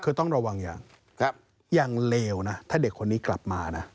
คือต้องระวังอย่างเลวนะถ้าเด็กคนนี้กลับมานะ